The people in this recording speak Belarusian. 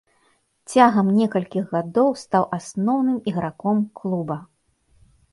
Цягам некалькіх гадоў стаў асноўным іграком клуба.